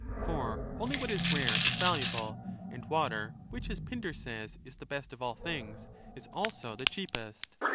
For only what is rare is valu able; and water, which, as Pindar says, is the best of all things, is also the cheapest.